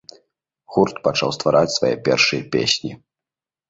Гурт пачаў ствараць свае першыя песні.